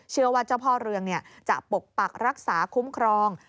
เชื่อว่าเจ้าพ่อเรืองจะปกปักรักษาคุ้มครอง